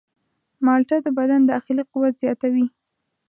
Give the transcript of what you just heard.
مالټه د بدن داخلي قوت زیاتوي.